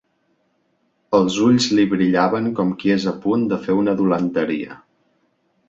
Els ulls li brillaven com qui és a punt de fer una dolenteria.